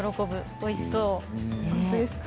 おいしそう。